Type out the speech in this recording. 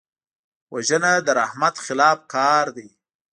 وژنه د رحمت خلاف کار دی